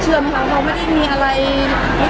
เกี่ยวกับเขาไม่ได้มีอะไรค